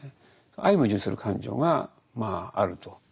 相矛盾する感情がまああると。